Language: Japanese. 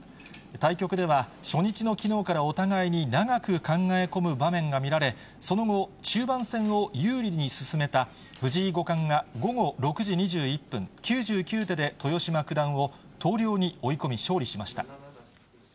対局では、初日のきのうからお互いに長く考え込む場面が見られ、その後、中盤戦を有利に進めた藤井五冠が午後６時２１分、９９手で豊島九段を投了に追い込み、勝利しました。